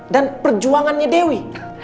dan perjuangannya dewi